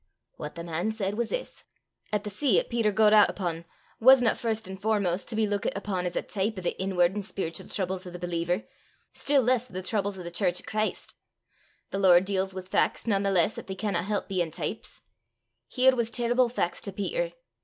"What the man said was this 'at the sea 'at Peter gaed oot upo' wasna first an' foremost to be luikit upo' as a teep o' the inward an' spiritual troubles o' the believer, still less o' the troubles o' the church o' Christ. The Lord deals wi' fac's nane the less 'at they canna help bein' teeps. Here was terrible fac's to Peter.